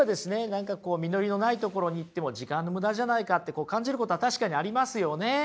何かこう実りのない所に行っても時間のムダじゃないかって感じることは確かにありますよね。